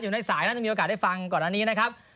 อยู่ในสายน่าจะมีโอกาสได้ฟังก่อนอันนี้นะครับ